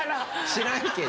知らんけど。